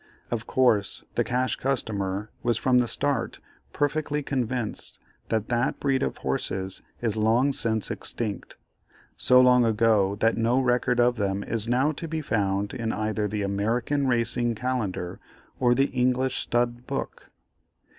Of course the Cash Customer was from the start perfectly convinced that that breed of horses is long since extinct, so long ago that no record of them is now to be found in either the "American Racing Calendar," or the "English Stud Book."